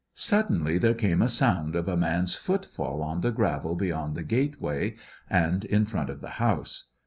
Suddenly there came a sound of a man's footfall on the gravel beyond the gateway and in front of the house.